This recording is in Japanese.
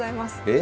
え？